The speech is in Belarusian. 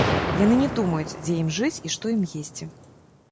Яны не думаюць, дзе ім жыць і што ім есці.